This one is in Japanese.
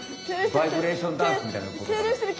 バイブレーションダンスみたいなことかな？